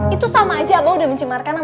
itu sama aja bahwa udah mencemarkan